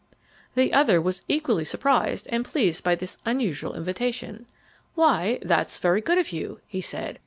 The other was equally surprised and pleased by this unusual invitation. "Why that's very good of you," he said.